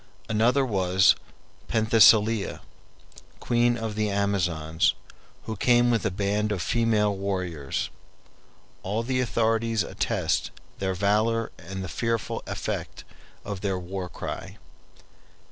Another was Penthesilea, queen of the Amazons, who came with a band of female warriors. All the authorities attest their valor and the fearful effect of their war cry.